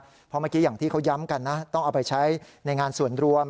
เพราะเมื่อกี้อย่างที่เขาย้ำกันนะต้องเอาไปใช้ในงานส่วนรวม